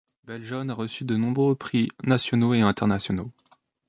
Belgeonne a reçu de nombreux prix nationaux et internationaux.